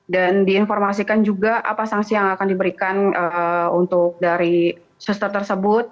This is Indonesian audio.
dan diinformasikan juga apa sanksi yang akan diberikan untuk dari sester tersebut